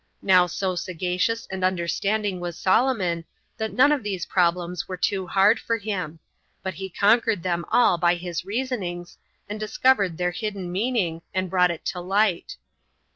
Now so sagacious and understanding was Solomon, that none of these problems were too hard for him; but he conquered them all by his reasonings, and discovered their hidden meaning, and brought it to light.